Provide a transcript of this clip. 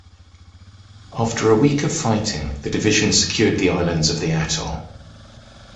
After a week of fighting, the division secured the islands of the atoll.